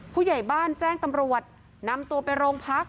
ผู้ใหญ่บ้านแจ้งตำรวจนำตัวไปโรงพัก